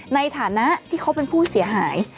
ในฐานะที่เขาเป็นผู้เสียหาย